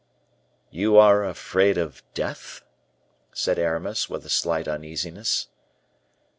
"You are afraid of death?" said Aramis, with a slight uneasiness.